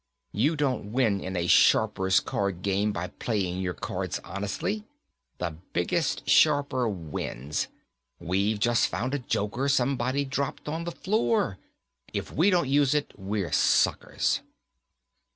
You don't win in a sharper's card game by playing your cards honestly. The biggest sharper wins. We've just found a joker somebody dropped on the floor; if we don't use it, we're suckers."